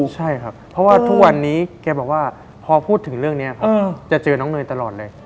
ใช่ครับเพราะว่าทุกวันนี้แกบอกว่าพอพูดถึงเรื่องนี้ครับจะเจอน้องเนยตลอดเลย